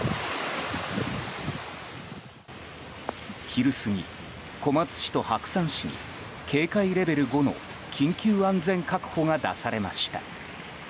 昼過ぎ、小松市と白山市に警戒レベル５の緊急安全確保が出されました。